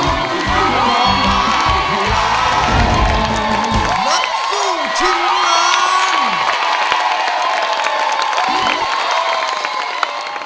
นัดสู้ชิ้นงาน